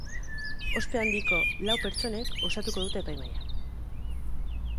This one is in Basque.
Ospe handiko lau pertsonek osatuko dute epaimahaia.